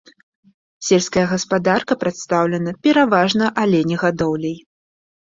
Сельская гаспадарка прадстаўлена пераважна аленегадоўляй.